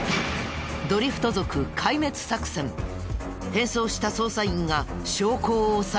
変装した捜査員が証拠を押さえる。